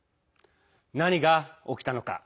何が起きたのか。